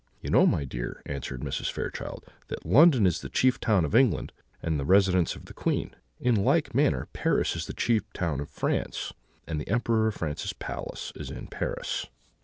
"You know, my dear," answered Mrs. Fairchild, "that London is the chief town of England, and the residence of the Queen: in like manner, Paris is the chief town of France, and the Emperor of France's palace is in Paris."